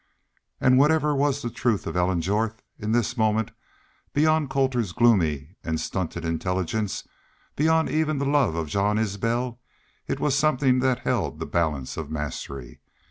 And whatever was the truth of Ellen Jorth in this moment, beyond Colter's gloomy and stunted intelligence, beyond even the love of Jean Isbel, it was something that held the balance of mastery.